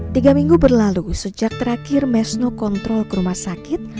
tiga minggu berlalu sejak terakhir mesno kontrol kerumah sakit